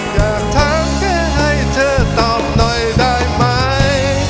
อยากถามแค่ให้เธอตอบหน่อยได้ไหม